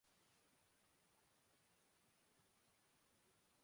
لاہور نجی body building club کے تحت Pakistan body building championship کا انعقاد